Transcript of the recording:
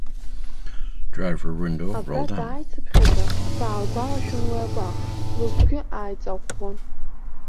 Абра дааицыԥхьаӡа даалгәалашәон уи агәаҟ, лыгәгьы ааиҵаӷәӷәон.